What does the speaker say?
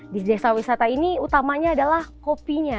di desa wisata ini utamanya adalah kopinya